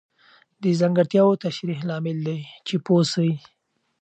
د ځانګړتیاوو تشریح لامل دی چې پوه سئ.